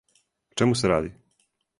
О чему се ради?